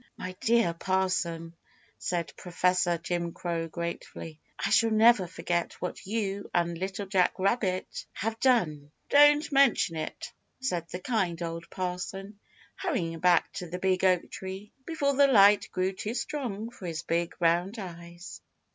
"My dear Parson," said Professor Jim Crow gratefully, "I shall never forget what you and Little Jack Rabbit have done." "Don't mention it," said the kind old Parson, hurrying back to the Big Oak Tree before the light grew too strong for his big round eyes.